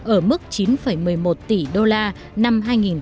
ở mức chín một mươi một tỷ usd năm hai nghìn một mươi bảy